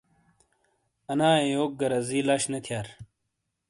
انائیے یوک گہ رزی لَش نے تھِیار